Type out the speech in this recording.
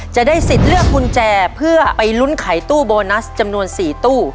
จะได้สิทธิ์เลือกกุญแจเพื่อไปลุ้นไขตู้โบนัสจำนวน๔ตู้